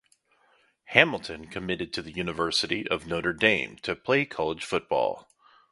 Hamilton committed to the University of Notre Dame to play college football.